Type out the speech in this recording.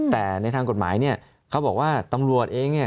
แต่ในทางกฎหมายเนี่ยเขาบอกว่าตำรวจเองเนี่ย